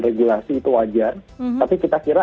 regulasi itu wajar tapi kita kira